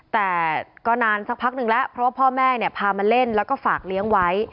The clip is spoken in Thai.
แต่ก็นานสักพักนึงแล้วเพราะว่าพ่อแม่เนี่ยพามาเล่นแล้วก็ฝากเลี้ยงไว้